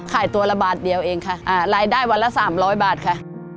ขายตัวละบาทเดียวเองค่ะรายได้วันละ๓๐๐บาทค่ะ